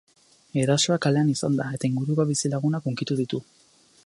Erasoa kalean izan da, eta inguruko bizilagunak hunkitu ditu.